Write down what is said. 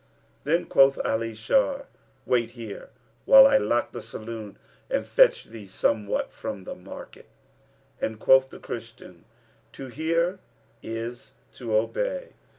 '" Then quoth Ali Shar, "Wait here, while I lock the saloon and fetch thee somewhat from the market;" and quoth the Christian, "To hear is to obey."